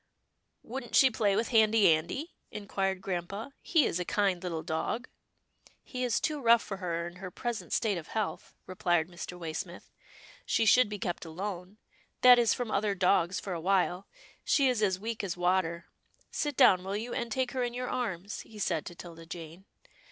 "Wouldn't she play with Handy Andy?" in quired grampa, " he is a kind little dog." " He is too rough for her in her present state of health," replied Mr. Waysmith, " she should be kept alone — that is from other dogs for a while. She is as weak as water — Sit down, will you, and take her in your arms," he said to 'Tilda Jane.